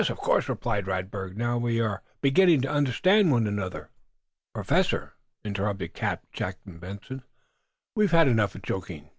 of course," replied Radberg. "Now, we are beginning to understand one another." "Professor," interrupted Captain Jack Benson, "we've had enough of joking."